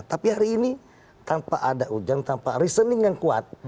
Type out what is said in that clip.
tapi hari ini tanpa ada hujan tanpa reasoning yang kuat